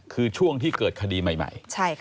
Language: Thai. คือช่วงที่เกิดคดีใหม่